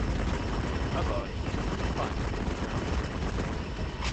Hubbard took the fight to the ground.